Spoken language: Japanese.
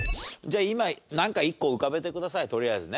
今なんか１個浮かべてくださいとりあえずね。